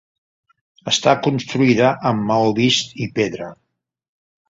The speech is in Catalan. Està construïda amb maó vist i pedra.